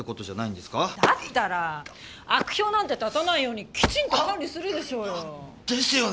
だったら悪評なんて立たないようにきちんと管理するでしょうよ。ですよね。